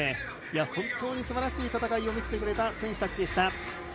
本当にすばらしい戦いを見せてくれた選手たちでした。